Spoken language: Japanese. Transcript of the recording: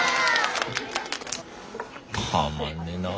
たまんねえなあ。